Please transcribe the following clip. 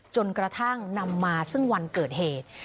จนกระทั่งนำมาซึ่งวันเกิดเหตุ